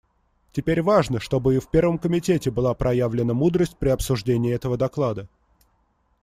Теперь важно, чтобы и в Первом комитете была проявлена мудрость при обсуждении этого доклада.